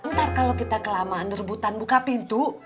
ntar kalau kita kelamaan rebutan buka pintu